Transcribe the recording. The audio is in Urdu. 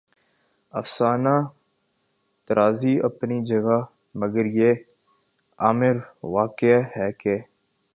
افسانہ طرازی اپنی جگہ مگر یہ امر واقعہ ہے کہ